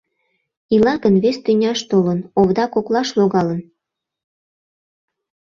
Ила гын, вес тӱняш толын, овда коклаш логалын?